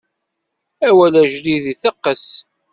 Awal ajdid iteqqes.